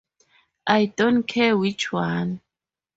I don't care which one.